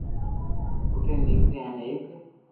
او ِٺین نیڪریو ھین ایڪ